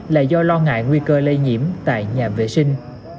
là do lo ngại nguy cơ lây nhiễm tại nhà vệ sinh